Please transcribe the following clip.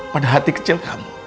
pada hati kecil kamu